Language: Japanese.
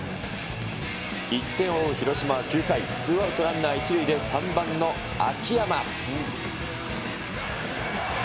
１点を追う広島は９回、ツーアウトランナー１塁で、３番の秋山。